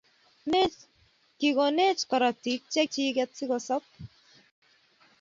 Kikonech karatit che chiket si kesab